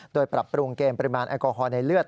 โดยปรับปรุงเกมปริมาณแอลกอฮอล์ในเลือด